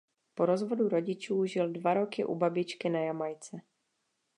Po rozvodu rodičů žil dva roky u babičky na Jamajce.